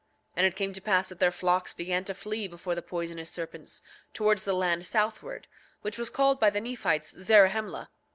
And it came to pass that their flocks began to flee before the poisonous serpents, towards the land southward, which was called by the Nephites Zarahemla.